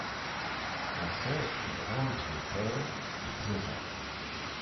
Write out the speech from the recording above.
Ma sœur, plus grande, avait peur et pleurait.